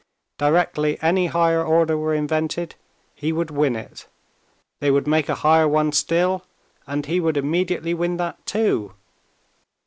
Directly any higher order were invented, he would win it. They would make a higher one still, and he would immediately win that too.